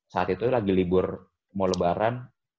saat itu lagi libur mau lebaran